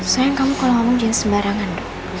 sayang kamu kalau ngomong jangan sembarangan